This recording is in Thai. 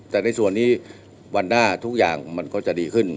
แต่ในส่วนนี้วันหน้าทุกอย่างมันก็จะดีขึ้น